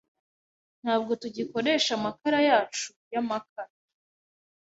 Ntabwo tugikoresha amakara yacu yamakara.